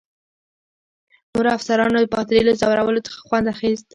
نورو افسرانو د پادري له ځورولو څخه خوند اخیست.